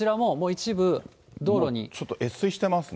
ちょっと越水してますね。